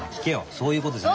そういうことじゃない。